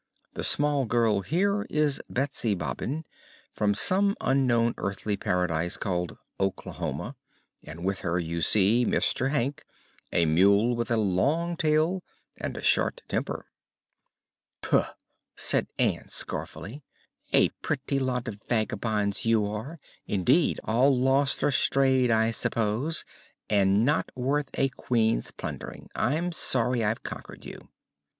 The small girl here is Betsy Bobbin, from some unknown earthly paradise called Oklahoma, and with her you see Mr. Hank, a mule with a long tail and a short temper." "Puh!" said Ann, scornfully; "a pretty lot of vagabonds you are, indeed; all lost or strayed, I suppose, and not worth a Queen's plundering. I'm sorry I've conquered you."